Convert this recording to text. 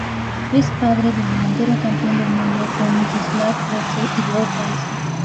Es padre del delantero campeón del mundo con Miroslav Klose y de otra hija.